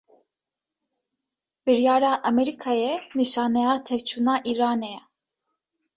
Biryara Emerîkayê, nîşaneya têkçûna Îranê ye